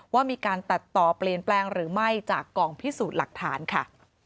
ว่ามีการตัดต่อเปลี่ยนแปลงหรือไม่จากกองพิสูจน์หลักฐานค่ะ